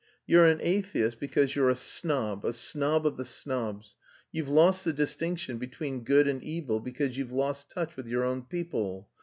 "You're an atheist because you're a snob, a snob of the snobs. You've lost the distinction between good and evil because you've lost touch with your own people.